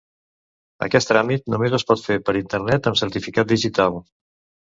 Aquest tràmit només es pot fer per internet amb certificat digital.